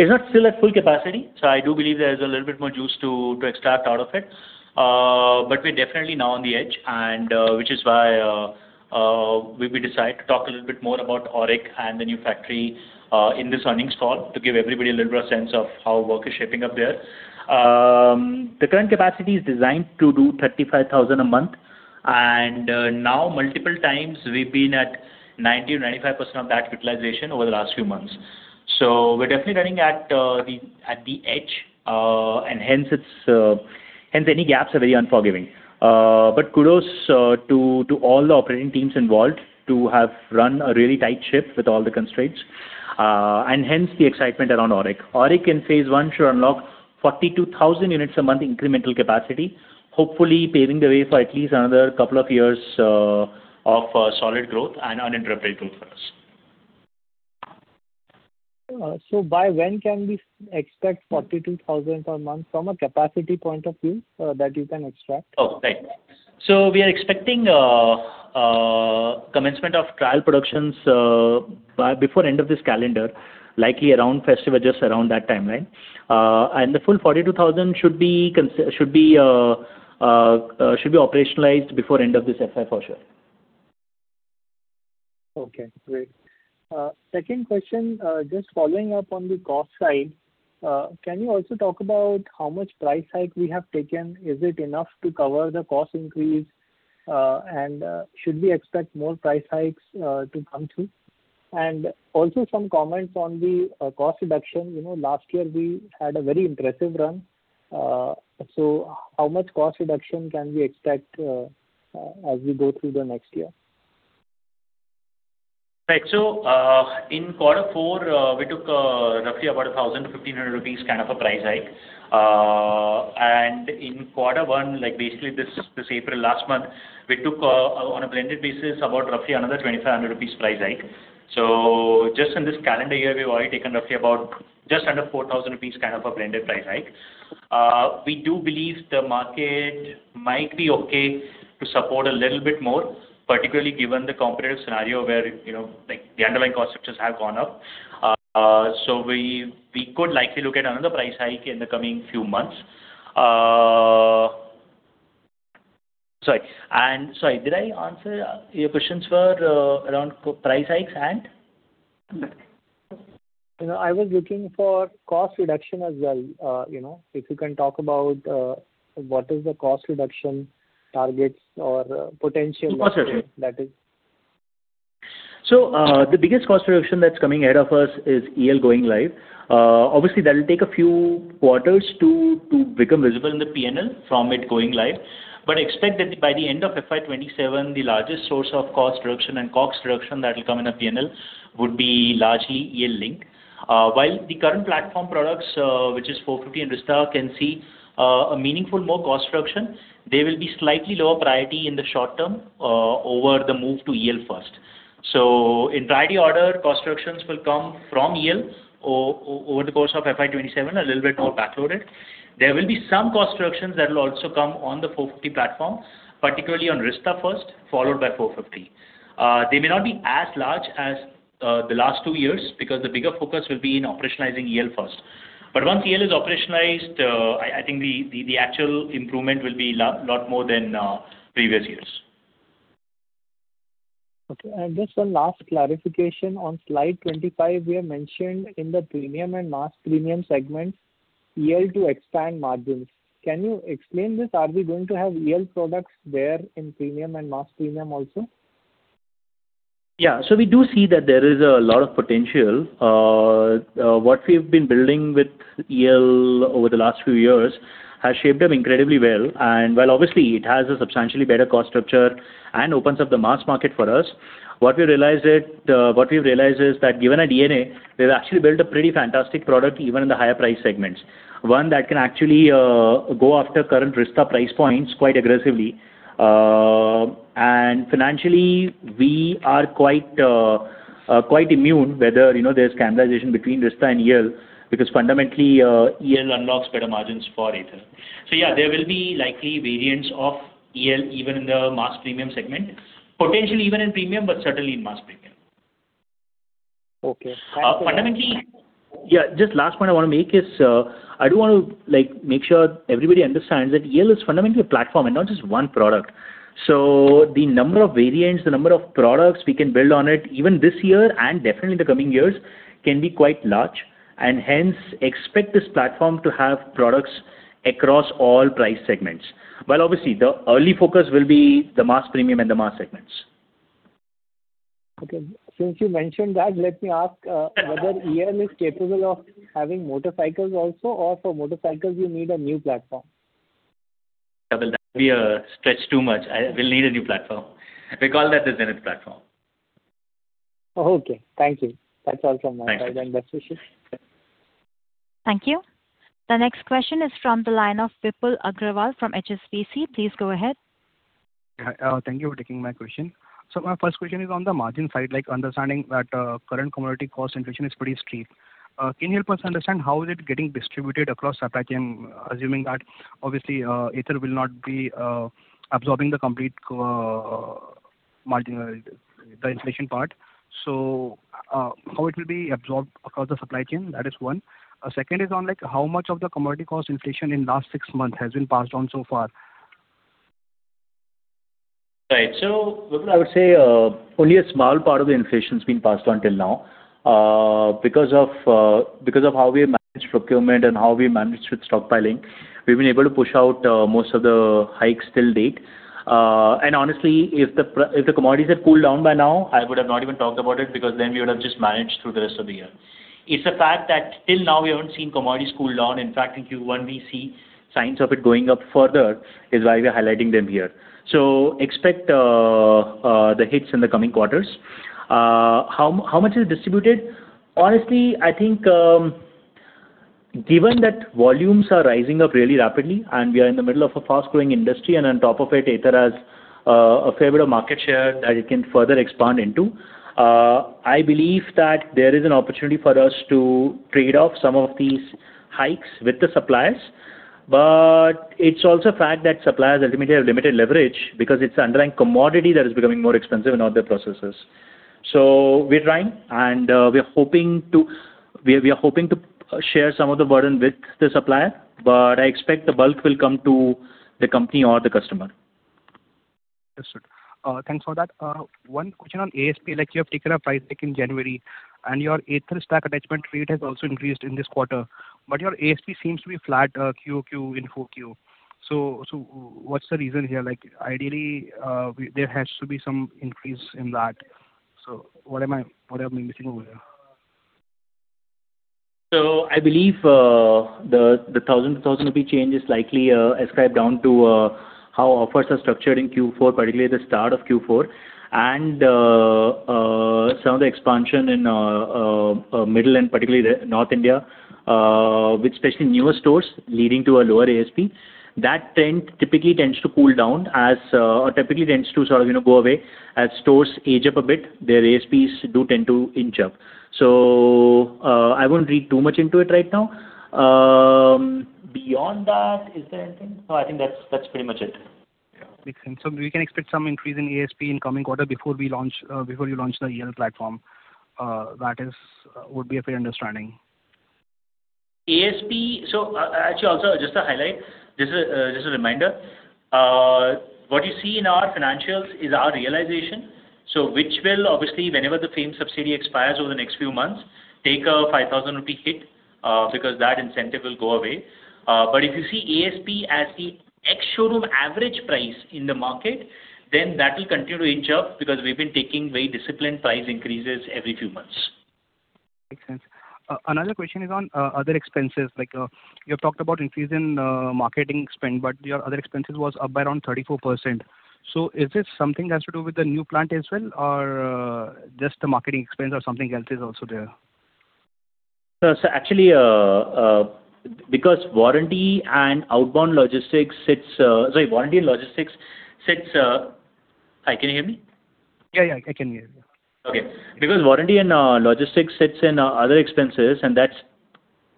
It's not still at full capacity, I do believe there's a little bit more juice to extract out of it. We're definitely now on the edge and which is why we decided to talk a little bit more about Auric and the new factory in this earnings call to give everybody a little bit of sense of how work is shaping up there. The current capacity is designed to do 35,000 a month, now multiple times we've been at 90%-95% of that utilization over the last few months. We're definitely running at the edge. Hence it's hence any gaps are very unforgiving. Kudos to all the operating teams involved to have run a really tight ship with all the constraints. Hence the excitement around Factory 3.0. Factory 3.0 in phase one should unlock 42,000 units a month incremental capacity, hopefully paving the way for at least another couple of years of solid growth and uninterrupted growth for us. By when can we expect 42,000 per month from a capacity point of view that you can extract? Oh, right. We are expecting commencement of trial productions by before end of this calendar, likely around festive, just around that timeline. The full 42,000 should be operationalized before end of this FY for sure. Okay, great. Second question, just following up on the cost side. Can you also talk about how much price hike we have taken? Is it enough to cover the cost increase? Should we expect more price hikes to come through? Also some comments on the cost reduction. You know, last year we had a very impressive run. How much cost reduction can we expect as we go through the next year? Right. In Q4, we took roughly about a 1,000-1,500 rupees kind of a price hike. In quarter one, like basically this April last month, we took on a blended basis about roughly another 2,500 rupees price hike. Just in this calendar year, we've already taken roughly about just under 4,000 rupees kind of a blended price hike. We do believe the market might be okay to support a little bit more, particularly given the competitive scenario where, you know, like the underlying cost structures have gone up. We could likely look at another price hike in the coming few months. Sorry. Sorry, did I answer your questions for around price hikes and? You know, I was looking for cost reduction as well. You know, if you can talk about what is the cost reduction targets that is...? Of course. Sure. The biggest cost reduction that's coming ahead of us is EL going live. Obviously, that'll take a few quarters to become visible in the P&L from it going live. Expect that by the end of FY 2027, the largest source of cost reduction and COGS reduction that will come in a P&L would be largely EL linked. While the current platform products, which is 450 and Rizta can see a meaningful more cost reduction, they will be slightly lower priority in the short term over the move to EL first. In priority order, cost reductions will come from EL over the course of FY 2027, a little bit more backloaded. There will be some cost reductions that will also come on the 450 platform, particularly on Rizta first, followed by 450. They may not be as large as the last two years because the bigger focus will be in operationalizing EL first. Once EL is operationalized, I think the actual improvement will be lot more than previous years. Okay. Just one last clarification. On slide 25, we have mentioned in the premium and mass premium segments EL to expand margins. Can you explain this? Are we going to have EL products there in premium and mass premium also? Yeah. We do see that there is a lot of potential. What we've been building with EL over the last few years has shaped up incredibly well. While obviously it has a substantially better cost structure and opens up the mass market for us, what we've realized is that given our DNA, we've actually built a pretty fantastic product, even in the higher price segments, one that can actually go after current Rizta price points quite aggressively. Financially, we are quite immune whether, you know, there's cannibalization between Rizta and EL, because fundamentally, EL unlocks better margins for Ather. Yeah, there will be likely variants of EL even in the mass premium segment. Potentially even in premium, certainly in mass premium. Okay. Fundamentally, yeah, just last point I want to make is, I do want to make sure everybody understands that EL is fundamentally a platform and not just one product. The number of variants, the number of products we can build on it, even this year and definitely in the coming years, can be quite large and hence expect this platform to have products across all price segments. Obviously the early focus will be the mass premium and the mass segments. Okay. Since you mentioned that, let me ask, whether EL is capable of having motorcycles also, or for motorcycles you need a new platform? That will be stretched too much. We'll need a new platform. We call that the Zenith platform. Okay. Thank you. That's all from my side. Best wishes. Thank you. The next question is from the line of Vipul Aggarwal from HSBC. Please go ahead. Thank you for taking my question. My first question is on the margin side, like understanding that current commodity cost inflation is pretty steep. Can you help us understand how is it getting distributed across supply chain? Assuming that obviously, Ather will not be absorbing the complete margin, the inflation part. How it will be absorbed across the supply chain? That is one. Second is on like how much of the commodity cost inflation in last six months has been passed on so far? Right. Vipul, I would say, only a small part of the inflation's been passed on till now. Because of, because of how we managed procurement and how we managed with stockpiling, we've been able to push out most of the hikes till date. Honestly, if the commodities had cooled down by now, I would have not even talked about it, because then we would have just managed through the rest of the year. It's a fact that till now we haven't seen commodities cool down. In Q1 we see signs of it going up further, is why we are highlighting them here. Expect the hits in the coming quarters. How much is distributed? Honestly, I think, given that volumes are rising up really rapidly and we are in the middle of a fast-growing industry, and on top of it, Ather has a fair bit of market share that it can further expand into, I believe that there is an opportunity for us to trade off some of these hikes with the suppliers. It's also a fact that suppliers ultimately have limited leverage because it's underlying commodity that is becoming more expensive in all their processes. We're trying and we are hoping to share some of the burden with the supplier, but I expect the bulk will come to the company or the customer. Understood. thanks for that. One question on ASP, like you have taken a price hike in January and your AtherStack attachment rate has also increased in this quarter, but your ASP seems to be flat, Q over Q in 4Q. What's the reason here? Like ideally, there has to be some increase in that. What am I, what am I missing over here? I believe the 1,000-rupee change is likely ascribed down to how offers are structured in Q4, particularly the start of Q4, and some of the expansion in middle and particularly the North India, with especially newer stores leading to a lower ASP. That trend typically tends to cool down or typically tends to sort of, you know, go away. As stores age up a bit, their ASPs do tend to inch up. I won't read too much into it right now. Beyond that, is there anything? No, I think that's pretty much it. Yeah. Makes sense. We can expect some increase in ASP in coming quarter before we launch, before you launch the EL platform. That is, would be a fair understanding. ASP. Actually also just to highlight, just a reminder, what you see in our financials is our realization. Which will obviously, whenever the FAME subsidy expires over the next few months, take a 5,000 rupee hit because that incentive will go away. If you see ASP as the ex-showroom average price in the market, then that will continue to inch up because we've been taking very disciplined price increases every few months. Makes sense. Another question is on other expenses. Like, you have talked about increase in marketing spend, but your other expenses was up by around 34%. Is this something that has to do with the new plant as well or just the marketing expense or something else is also there? Actually, Sorry, warranty and logistics sits. Hi, can you hear me? Yeah, yeah, I can hear you. Okay. Warranty and logistics sits in other expenses, and that's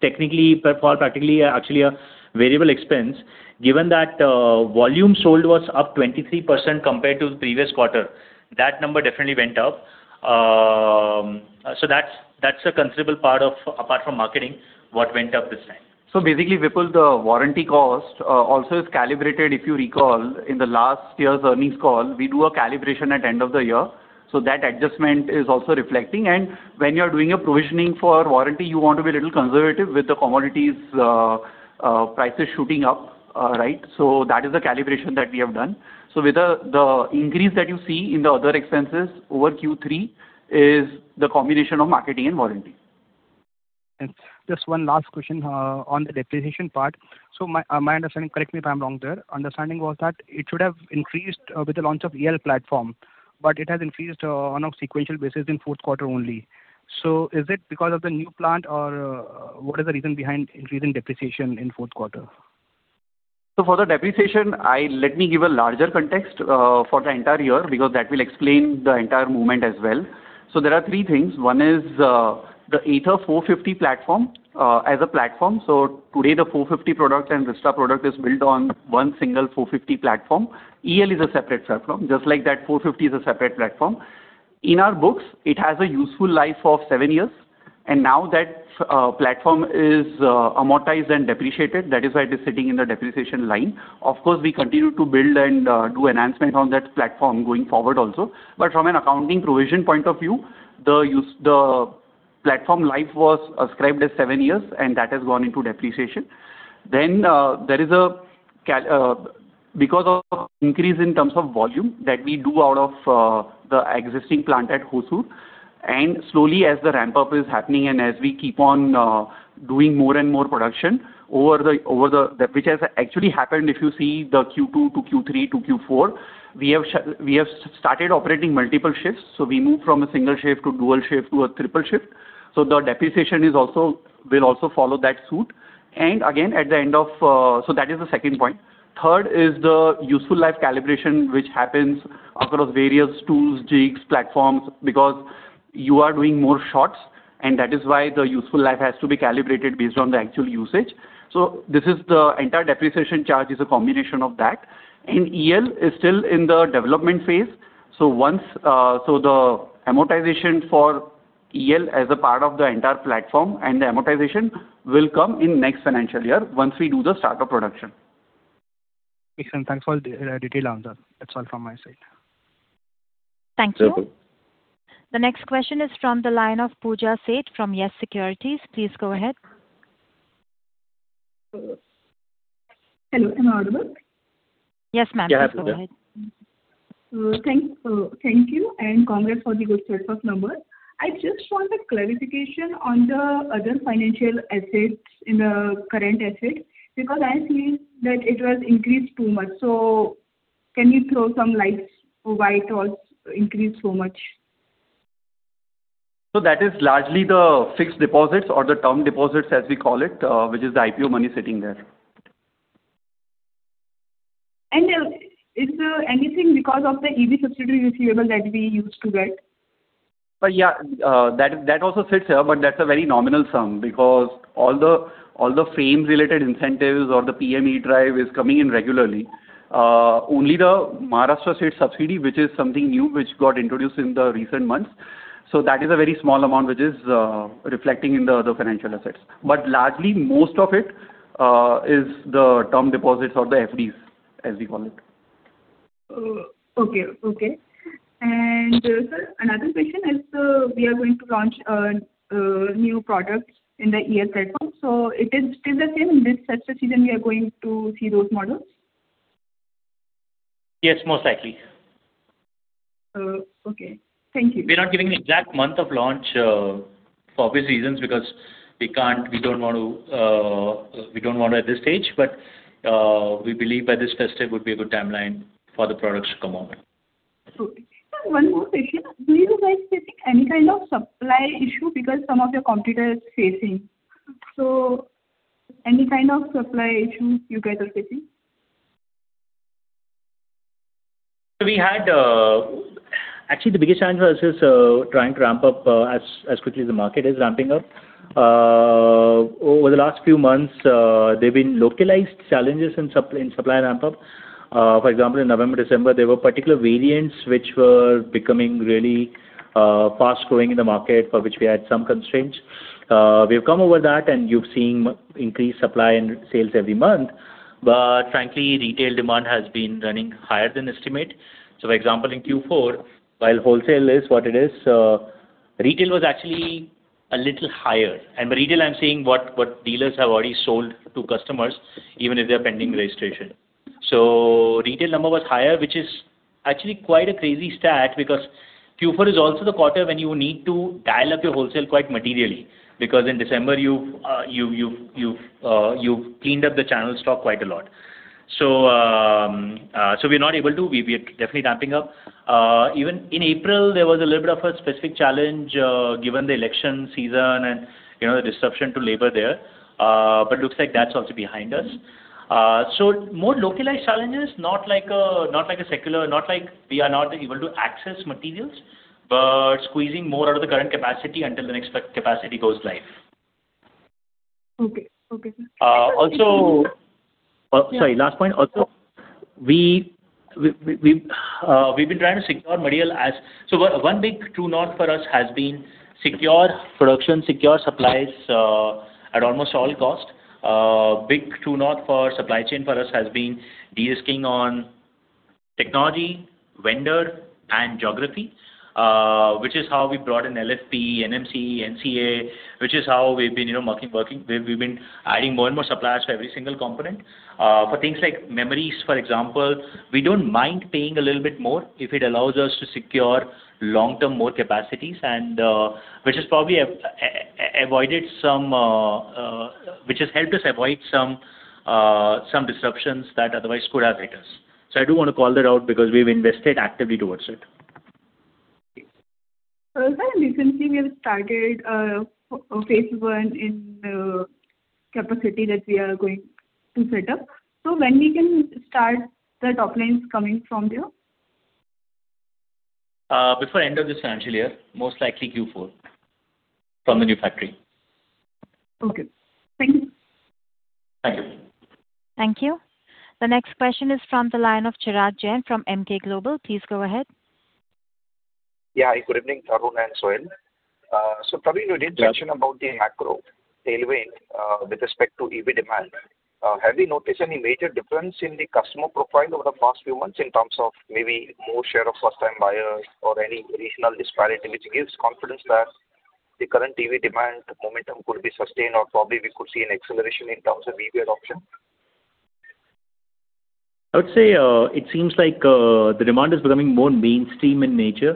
technically for practically, actually a variable expense. Given that volume sold was up 23% compared to the previous quarter, that number definitely went up. That's a considerable part of, apart from marketing, what went up this time. Basically, Vipul, the warranty cost, also is calibrated, if you recall, in the last year's earnings call. We do a calibration at end of the year, that adjustment is also reflecting. When you're doing a provisioning for warranty, you want to be a little conservative with the commodities, prices shooting up, right? That is the calibration that we have done. With the increase that you see in the other expenses over Q3 is the combination of marketing and warranty. Thanks. Just one last question on the depreciation part. My understanding, correct me if I'm wrong there, understanding was that it should have increased with the launch of EL platform, but it has increased on a sequential basis in Q4 only. Is it because of the new plant or what is the reason behind increase in depreciation in Q4? For the depreciation, let me give a larger context for the entire year because that will explain the entire movement as well. There are three things. One is the Ather 450 platform as a platform. Today the 450 product and Rizta product is built on one single 450 platform. EL is a separate platform. Just like that, 450 is a separate platform. In our books, it has a useful life of seven years, and now that platform is amortized and depreciated. That is why it is sitting in the depreciation line. Of course, we continue to build and do enhancement on that platform going forward also. From an accounting provision point of view, the platform life was ascribed as seven years, and that has gone into depreciation. There is because of increase in terms of volume that we do out of the existing plant at Hosur, and slowly as the ramp-up is happening and as we keep on doing more and more production. Which has actually happened if you see the Q2-Q3-Q4, we have started operating multiple shifts. We moved from a single shift to dual shift to a triple shift. The depreciation will also follow that suit. That is the second point. Third is the useful life calibration, which happens across various tools, jigs, platforms, because you are doing more shots, and that is why the useful life has to be calibrated based on the actual usage. This is the entire depreciation charge is a combination of that. EL is still in the development phase. Once, the amortization for EL as a part of the entire platform and the amortization will come in next financial year once we do the start of production. Excellent. Thanks for the detail on that. That's all from my side. Thank you. The next question is from the line of Pooja Seth from Yes Securities. Please go ahead. Hello, am I audible? Yes, ma'am. Yeah, absolutely. Thank you and congrats for the good Q3 numbers. I just wanted clarification on the other financial assets in the current asset, because I see that it was increased too much. Can you throw some light why it was increased so much? That is largely the fixed deposits or the term deposits as we call it, which is the IPO money sitting there. Is anything because of the EV subsidy receivable that we used to get? Yeah, that also sits here, but that's a very nominal sum because all the FAME related incentives or the PM E-DRIVE is coming in regularly. Only the Maharashtra state subsidy, which is something new, which got introduced in the recent months. That is a very small amount which is reflecting in the other financial assets. Largely most of it is the term deposits or the FDs as we call it. Okay. Okay. Sir, another question is, we are going to launch new products in the EL platform. It is still the same, in this festive season we are going to see those models? Yes, most likely. Okay. Thank you. We're not giving the exact month of launch, for obvious reasons because we don't want to at this stage. We believe by this festive would be a good timeline for the products to come out. Okay. Sir, one more question. Do you guys facing any kind of supply issue? Because some of your competitors facing. Any kind of supply issues you guys are facing? We had, actually, the biggest challenge for us is trying to ramp up as quickly as the market is ramping up. Over the last few months, there've been localized challenges in supply ramp-up. For example, in November, December, there were particular variants which were becoming really fast-growing in the market for which we had some constraints. We have come over that and you've seen increased supply and sales every month. Frankly, retail demand has been running higher than estimate. For example, in Q4, while wholesale is what it is, retail was actually a little higher. I'm saying what dealers have already sold to customers, even if they're pending registration. Retail number was higher, which is actually quite a crazy stat because Q4 is also the quarter when you need to dial up your wholesale quite materially, because in December you've cleaned up the channel stock quite a lot. We are definitely ramping up. Even in April, there was a little bit of a specific challenge, given the election season and, you know, the disruption to labor there. Looks like that's also behind us. More localized challenges, not like a secular, not like we are not able to access materials, but squeezing more out of the current capacity until the next capacity goes live. Okay. Okay. Oh, sorry. Last point. We've been trying to secure material. One big true north for us has been secure production, secure supplies, at almost all cost. Big true north for supply chain for us has been de-risking on technology, vendor and geography, which is how we brought in LFP, NMC, NCA, which is how we've been, you know, working. We've been adding more and more suppliers for every single component. For things like memories, for example, we don't mind paying a little bit more if it allows us to secure long-term more capacities and, which has helped us avoid some disruptions that otherwise could have hit us. I do wanna call that out because we've invested actively towards it. Sir, recently we have started, phase 1 in, capacity that we are going to set up. When we can start the top lines coming from there? Before end of this financial year, most likely Q4 from the new factory. Okay. Thank you. Thank you. Thank you. The next question is from the line of Chirag Jain from Emkay Global. Please go ahead. Yeah. Good evening, Tarun and Sohil. Probably you did mention about the macro tailwind with respect to EV demand. Have you noticed any major difference in the customer profile over the past few months in terms of maybe more share of first-time buyers or any regional disparity which gives confidence that the current EV demand momentum could be sustained or probably we could see an acceleration in terms of EV adoption? I would say, it seems like the demand is becoming more mainstream in nature,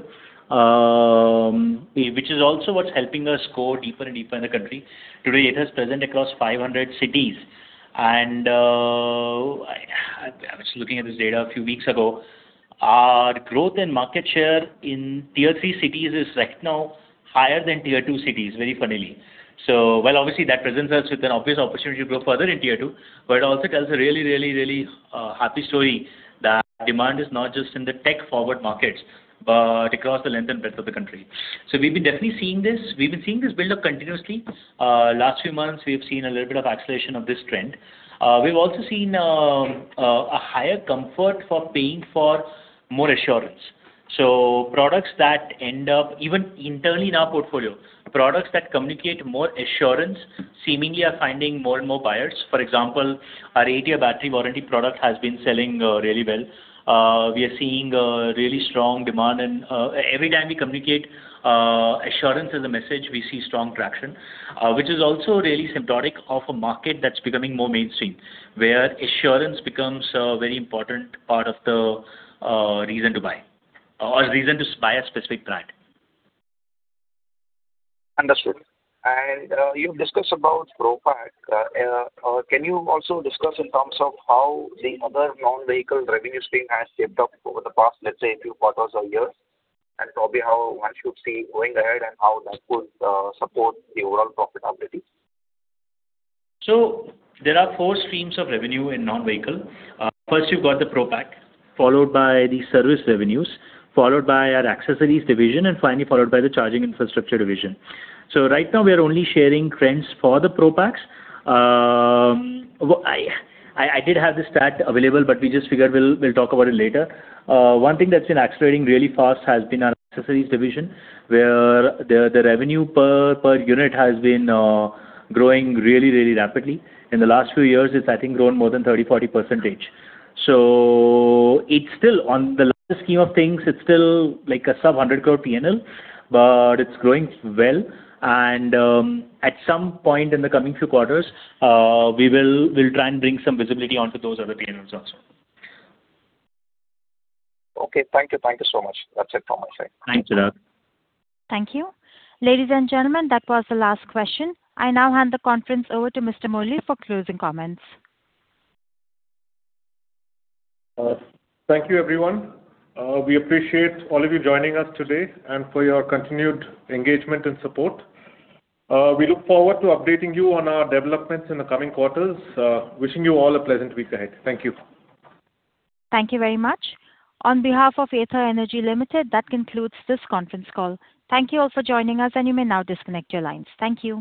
which is also what's helping us go deeper and deeper in the country. Today, it is present across 500 cities. I was looking at this data a few weeks ago. Our growth in market share in tier three cities is right now higher than tier two cities, very funnily. While obviously that presents us with an obvious opportunity to grow further in tier two, but it also tells a really happy story that demand is not just in the tech-forward markets, but across the length and breadth of the country. We've been definitely seeing this. We've been seeing this build up continuously. Last few months, we've seen a little bit of acceleration of this trend. We've also seen a higher comfort for paying for more assurance. Even internally in our portfolio, products that communicate more assurance seemingly are finding more and more buyers. For example, our eight-year battery warranty product has been selling really well. We are seeing really strong demand and every time we communicate assurance as a message, we see strong traction, which is also really symptomatic of a market that's becoming more mainstream, where assurance becomes a very important part of the reason to buy or reason to buy a specific brand. Understood. You've discussed about Pro Pack. Can you also discuss in terms of how the other non-vehicle revenue stream has shaped up over the past, let's say, few quarters or years, and probably how one should see going ahead and how that could support the overall profitability? There are four streams of revenue in non-vehicle. First you've got the Pro Pack, followed by the service revenues, followed by our accessories division, and finally followed by the charging infrastructure division. Right now we are only sharing trends for the Pro Packs. I did have the stat available, but we just figured we'll talk about it later. One thing that's been accelerating really fast has been our accessories division, where the revenue per unit has been growing rapidly. In the last few years, it's I think grown more than 30%, 40%. It's still on the larger scheme of things, it's still like a sub 100 crore P&L, but it's growing well and at some point in the coming few quarters, we'll try and bring some visibility onto those other P&Ls also. Okay. Thank you. Thank you so much. That's it from my side. Thanks, Chirag. Thank you. Ladies and gentlemen, that was the last question. I now hand the conference over to Mr. Murali Sashidharan for closing comments. Thank you, everyone. We appreciate all of you joining us today and for your continued engagement and support. We look forward to updating you on our developments in the coming quarters. Wishing you all a pleasant week ahead. Thank you. Thank you very much. On behalf of Ather Energy Limited, that concludes this conference call. Thank you all for joining us, and you may now disconnect your lines. Thank you.